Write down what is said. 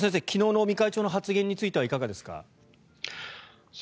昨日の尾身会長の発言についてはいかがですか？